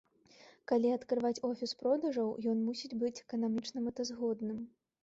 Калі адкрываць офіс продажаў, ён мусіць быць эканамічна мэтазгодным.